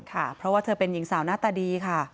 ค่ะเพราะว่าเธอเป็นหญิงสาวหน้าตาดีค่ะ